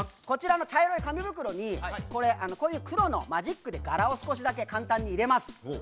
こちらの茶色い紙袋にこれこういう黒のマジックで柄を少しだけ簡単に入れます。